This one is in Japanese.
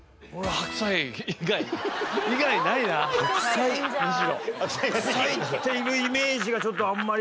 白菜白菜っていうイメージがちょっとあんまり。